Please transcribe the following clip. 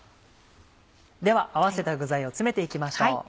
では合わせた具材を詰めて行きましょう。